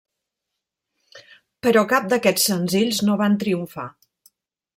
Però cap d'aquests senzills no van triomfar.